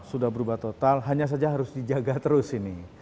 sudah berubah total hanya saja harus dijaga terus ini